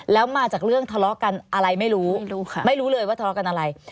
แล้วมาจากเรื่องทะเลาะกันอะไรไม่รู้ไม่รู้ค่ะไม่รู้ไม่รู้เลยว่าทะเลาะกันอะไร